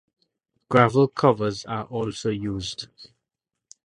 Gravel covers are also used.